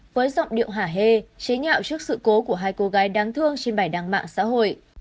với giọng điệu hả hê chế nhạo trước sự cố của hai cô gái đáng thương trên bài đăng mạng xã hội